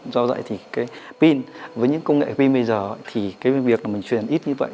do vậy thì cái pin với những công nghệ pin bây giờ thì cái việc là mình truyền ít như vậy